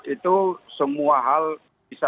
itu semua hal bisa